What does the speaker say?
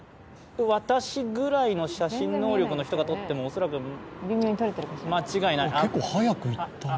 私ぐらいの写真能力の人が撮っても恐らく間違いない。